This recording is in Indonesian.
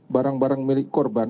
barang barang milik korban